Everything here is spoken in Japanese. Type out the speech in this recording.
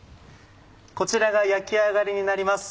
こちらが焼き上がりになります